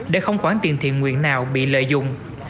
để không khoản tiền thiện nguyện nào bị lợi dụng